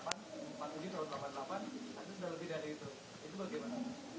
kalau saya mengasih pada bapak bapak ibu pak rina bapak ibu kita ada beberapa hal